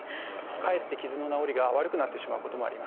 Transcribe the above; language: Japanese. かえって傷の治りが悪くなってしまうこともあります。